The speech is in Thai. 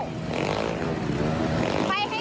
ไปให้ไกลเลย